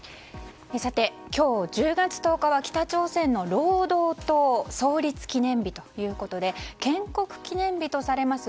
今日１０月１０日は、北朝鮮の労働党創建記念日ということで建国記念日とされます